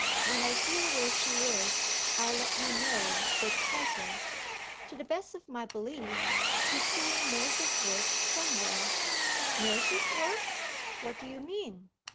When I hear where she is, I'll let you know with pleasure. To the best of my belief, she's doing nurse's work somewhere." "Nurse's work? What do you mean?"